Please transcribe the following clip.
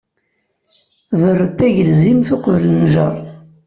Berred tagelzimt, uqbel nnjeṛ.